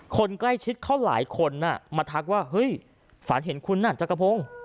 คนใกล้ชิดเขาหลายคนมาทักว่าเฮ้ยฝันเห็นคุณน่ะจักรพงศ์